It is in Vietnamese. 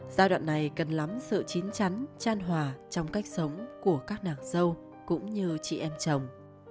giai đoạn này cần lắm sự chín chắn tran hòa trong cách sống của các nàng dâu cũng như chị em chồng